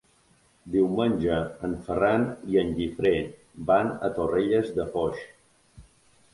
Diumenge en Ferran i en Guifré van a Torrelles de Foix.